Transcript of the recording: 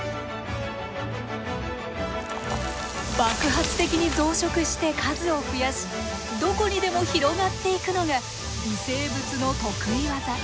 爆発的に増殖して数を増やしどこにでも広がっていくのが微生物の得意技。